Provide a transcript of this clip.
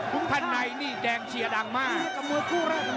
พันในนี่แดงเชียร์ดังมาก